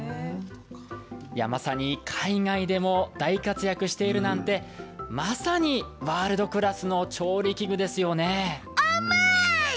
まさに海外でも大活躍しているなんてまさにワールドクラスの調理器具ですよね。